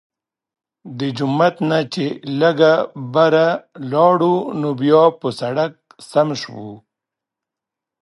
د جومات نه چې لږ بره لاړو نو بيا پۀ سړک سم شو